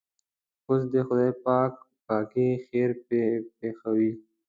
اوس دې خدای پاک باقي خیر پېښوي.